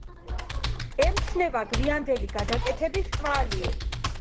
ემჩნევა გვიანდელი გადაკეთების კვალი.